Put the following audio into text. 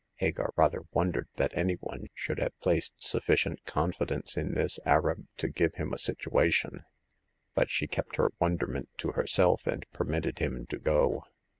Hagar rather wondered that any one should have placed sufficient confidence in this arab to give him a situation ; but she kept her wonderment to herself, and permitted him to go.